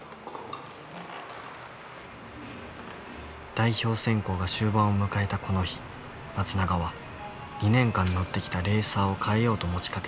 代表選考が終盤を迎えたこの日松永は２年間乗ってきたレーサーを変えようと持ちかけた。